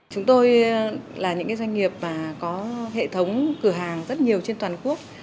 chúng tôi là những doanh nghiệp có hệ thống cửa hàng rất nhiều trên toàn quốc